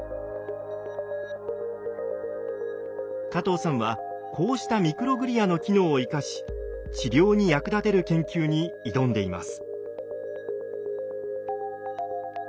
加藤さんはこうしたミクログリアの機能を生かし治療に役立てる研究に挑んでいます。